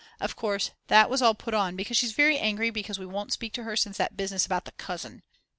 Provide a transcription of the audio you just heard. Of course that was all put on, but she's very angry because we won't speak to her since that business about the _cousin!